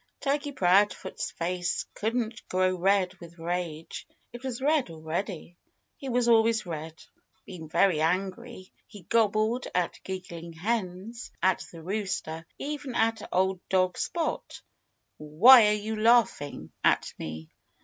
Turkey Proudfoot's face couldn't grow red with rage. It was red already. It was always red. Being very angry, he gobbled at the giggling hens, at the rooster, even at old dog Spot, "Why are you laughing at me?"